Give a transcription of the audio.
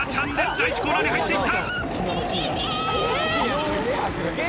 第１コーナーに入っていった！